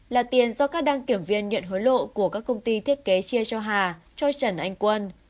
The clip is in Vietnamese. là tiền do các đăng kiểm viên nhận hối lộ của các công ty thiết kế chia cho hà cho trần anh quân